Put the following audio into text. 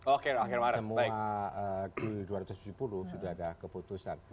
semua di dua ratus tujuh puluh sudah ada keputusan